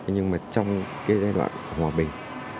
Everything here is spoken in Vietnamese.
nhưng mà trong cái giai đoạn hòa bình